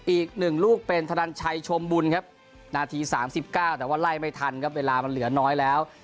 อีกหนึ่งลูกเป็นธนันชัยชมบุญครับนาที๓๙แต่ว่าไล่ไม่ทันครับเวลามันเหลือน้อยแล้ว